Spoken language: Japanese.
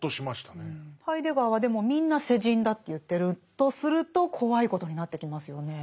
ハイデガーはでもみんな世人だって言ってるとすると怖いことになってきますよね。